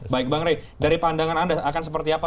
baik bang rey dari pandangan anda akan seperti apa